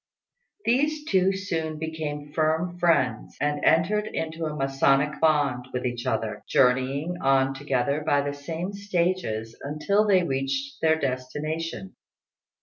These two soon became firm friends, and entered into a masonic bond with each other, journeying on together by the same stages until they reached their destination.